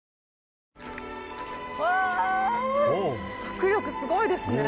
迫力スゴいですね！